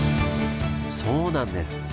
そうなんです！